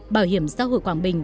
bảo hiểm xã hội quảng bình